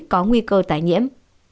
có nguy cơ tái nhiễm